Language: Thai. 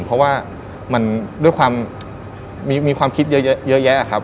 เพราะว่ามันด้วยความมีความคิดเยอะแยะครับ